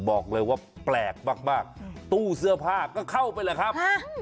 บอกเลยว่าแปลกมากตู้เสื้อผ้าก็เข้าไปแหละครับ